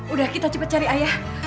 udah kita cepet cari ayah